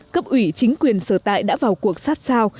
cấp ủy chính quyền sở tại đã vào cuộc sát sao